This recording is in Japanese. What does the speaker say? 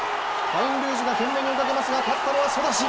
ファインルージュが懸命に追いかけますが勝ったのはソダシ。